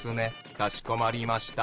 かしこまりました。